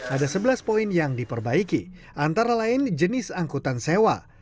ada sebelas poin yang diperbaiki antara lain jenis angkutan sewa